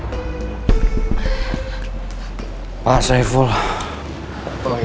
hey lengket boat ordinaryang enggak di sanathank you